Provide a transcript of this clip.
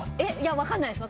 分かんないです。